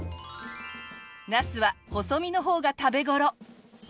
ナスは細身の方が食べ頃！